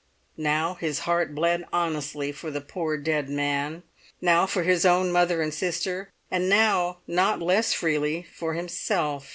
Now his heart bled honestly for the poor dead man, now for his own mother and sister, and now not less freely for himself.